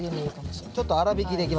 ちょっと粗びきでいきますね。